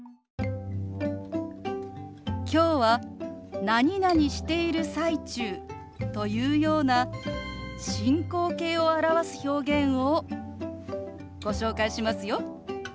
今日は「何々している最中」というような進行形を表す表現をご紹介しますよ。